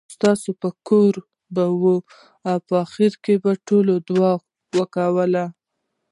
ستاپه کور کې به وي. په اخېر کې ټولو دعا وکړه .